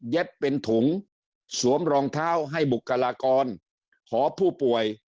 เป็นถุงสวมรองเท้าให้บุคลากรหอผู้ป่วย